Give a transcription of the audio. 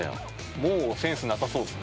もうセンスなさそうっすね。